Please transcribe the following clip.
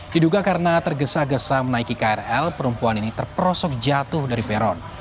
diduga karena tergesa gesa menaiki krl perempuan ini terperosok jatuh dari peron